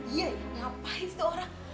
iya ya ngapain sih tuh orang